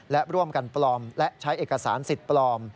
และร่วมกันปลอมและใช้เอกสารสิทธิ์ปลอม